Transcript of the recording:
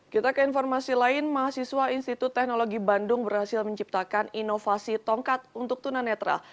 kita ke informasi lain mahasiswa institut teknologi bandung berhasil menciptakan inovasi tongkat untuk tunanetra